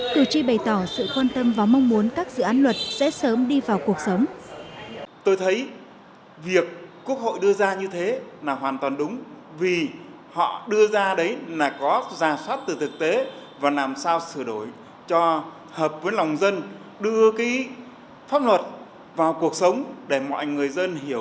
cử tri bày tỏ sự quan tâm và mong muốn các dự án luật sẽ sớm đi vào cuộc sống